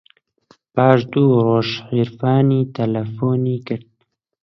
پاش دوو ڕۆژ عیرفانی تەلەفۆنی کرد.